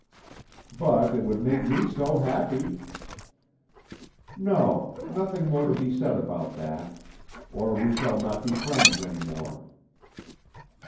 "But it would make me so happy!" "No.... Nothing more to be said about that. Or we shall not be friends any more...."